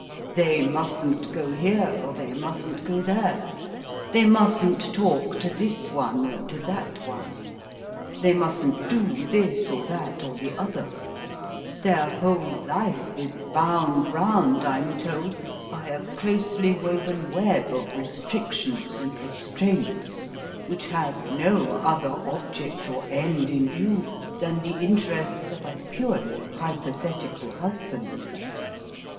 They mustn't go here or they mustn't go there; they mustn't talk to this one or to that one; they mustn't do this, or that, or the other; their whole life is bound round, I'm told, by a closely woven web of restrictions and restraints, which have no other object or end in view than the interests of a purely hypothetical husband.